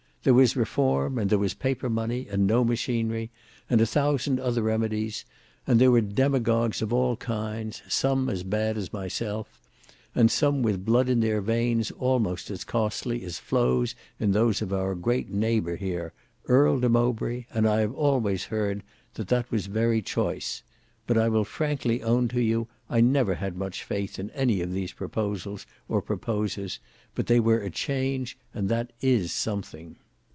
There was reform, and there was paper money, and no machinery, and a thousand other remedies; and there were demagogues of all kinds, some as had as myself, and some with blood in their veins almost as costly as flows in those of our great neighbour here. Earl de Mowbray, and I have always heard that was very choice: but I will frankly own to you, I never had much faith in any of these proposals or proposers; but they were a change, and that is something.